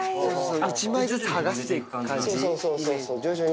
一枚ずつ剥がしていく感じなんだ？